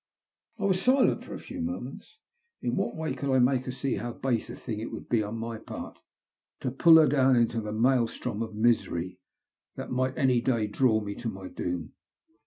I was silent for a few moments. In what way eould I make her see how base a thing it would be on my part to pull her down into the maeUtrom of misery that might any day draw me to my doom